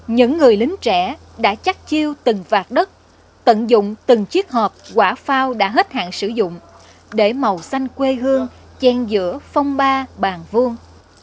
những người lính trẻ đã chắc chiêu từng vạt đất tận dụng từng chiếc hộp quả phao đã hết hạn sử dụng để màu xanh quê hương chen giữa phong ba bàn vuông